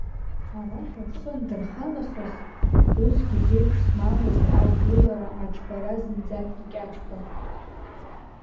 Арахь рхы андырха нахыс, усгьы ԥеиԥш змамыз ақәгылара аҿҳәара зынӡак икьаҿхон.